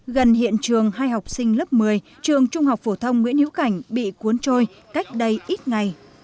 gần hiện trường hai học sinh lớp một mươi trường trung học phổ thông nguyễn hiếu cảnh bị cuốn trôi cách đây ít ngày